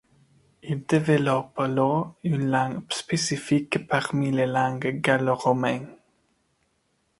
Ils développent alors une langue spécifique parmi les langues gallo-romanes.